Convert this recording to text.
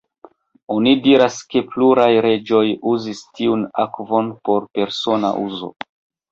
Oni diras ke pluraj reĝoj uzis tiun akvon por persona uzo.